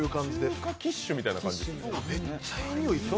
中華キッシュみたいな感じ。